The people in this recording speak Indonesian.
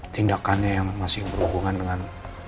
tindakannya yang masih berhubungan dengan